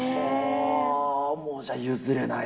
もうじゃあ、譲れない？